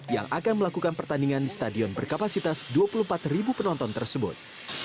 yang akan melakukan pertandingan di stadion berkapasitas dua puluh empat ribu penonton tersebut